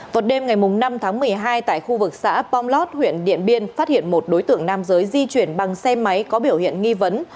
vào đêm ngày năm tháng một mươi hai tại khu vực xã pomlot huyện điện biên phát hiện một đối tượng nam giới di chuyển bằng xe máy có biểu hiện nghi vấn